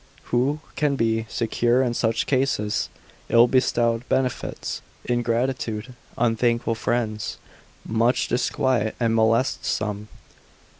Who can be secure in such cases? Ill bestowed benefits, ingratitude, unthankful friends, much disquiet and molest some.